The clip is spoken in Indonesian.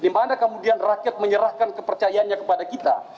dimana kemudian rakyat menyerahkan kepercayaannya kepada kita